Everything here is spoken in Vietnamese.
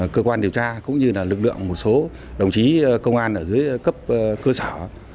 cơ quan điều tra cũng như là lực lượng một số đồng chí công an ở dưới cấp cơ sở